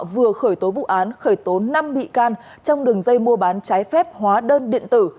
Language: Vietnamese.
vừa khởi tố vụ án khởi tố năm bị can trong đường dây mua bán trái phép hóa đơn điện tử